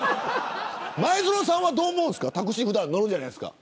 前園さんはどうですか普段タクシーに乗るじゃないですか。